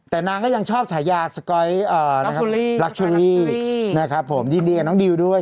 แต่นางก็ยังชอบฉายาสก๊อยนะครับรักเชอรี่นะครับผมยินดีกับน้องดิวด้วย